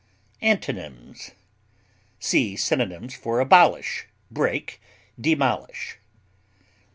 Antonyms: See synonyms for ABOLISH; BREAK; DEMOLISH.